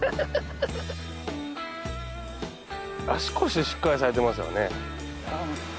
足腰しっかりされてますよね。